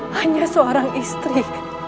hanya seorang istri